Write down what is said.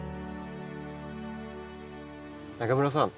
永村さん。